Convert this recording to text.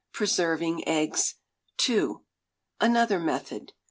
Preserving Eggs (2). Another Method.